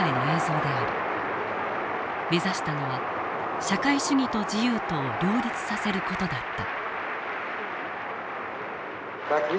目指したのは社会主義と自由とを両立させる事だった。